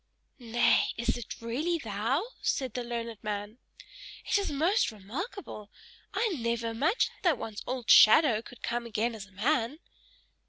"Nay, is it really thou?" said the learned man. "It is most remarkable: I never imagined that one's old shadow could come again as a man."